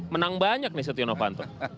menang banyak nih setia novanto